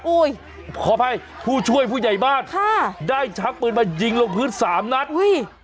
อุ้ยขออภัยผู้ช่วยผู้ใหญ่บ้านค่ะได้ชักปืนมายิงลงพื้นสามนัดอุ้ย